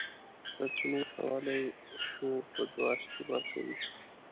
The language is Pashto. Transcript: سرچینې کولی شو په دوه اصلي برخو وویشو.